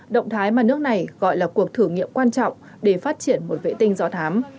động thái mà nước này gọi là cuộc thử nghiệm quan trọng để phát triển một vệ tinh do thám